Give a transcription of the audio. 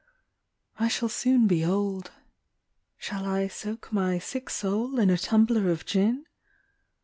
I shall soon be old. Shall I soak my sick soul in a tumbler of gin